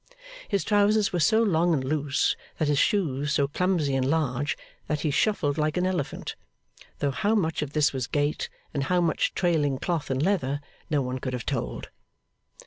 His trousers were so long and loose, and his shoes so clumsy and large, that he shuffled like an elephant; though how much of this was gait, and how much trailing cloth and leather, no one could have told.